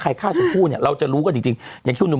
ใครฆ่าสี่ครู่เนี้ยเราจะรู้กันจริงจริงอย่างคืออุ่ม